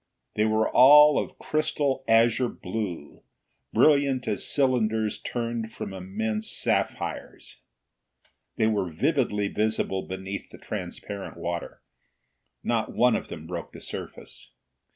They were all of crystal, azure blue, brilliant as cylinders turned from immense sapphires. They were vividly visible beneath the transparent water. Not one of them broke the surface.